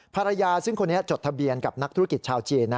ภรรยาซึ่งคนนี้จดทะเบียนกับนักธุรกิจชาวจีน